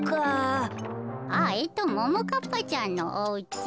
あももかっぱちゃんのおうち。